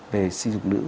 về sinh dục nữ